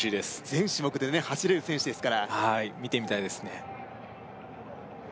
全種目でね走れる選手ですからはい見てみたいですね